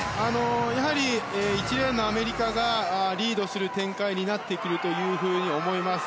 やはり１レーンのアメリカがリードする展開になってくると思います。